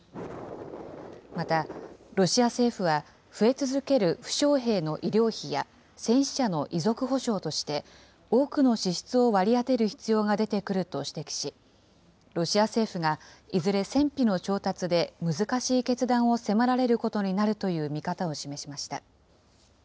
また、ロシア政府は増え続ける負傷兵の医療費や、戦死者の遺族補償として、多くの支出を割り当てる必要が出てくると指摘し、ロシア政府がいずれ戦費の調達で難しい決断を迫られることになるという見方を示しました。